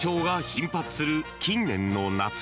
更に、熱中症が頻発する近年の夏。